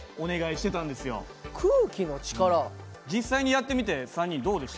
実際にやってみて３人どうでした？